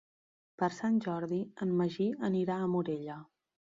Per Sant Jordi en Magí anirà a Morella.